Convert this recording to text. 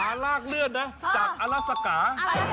หมาลากเลื่อนนะจากอาลาซักา